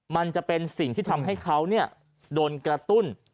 มันจะเป็นสิ่งที่ทำให้เขาโดนกระตุ้น